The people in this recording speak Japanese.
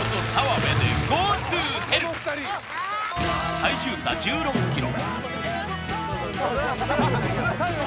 体重差１６ｋｇ。